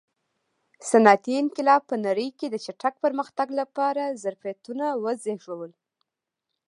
صنعتي انقلاب په نړۍ کې د چټک پرمختګ لپاره ظرفیتونه وزېږول.